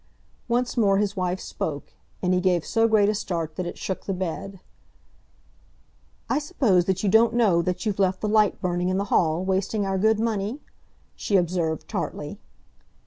Once more his wife spoke, and he gave so great a start that it shook the bed. "I suppose that you don't know that you've left the light burning in the hall, wasting our good money?" she observed tartly.